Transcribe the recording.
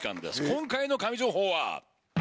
今回の神情報は！